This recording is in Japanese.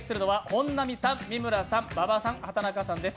本並さん、三村さん、畠中さん、馬場さんです。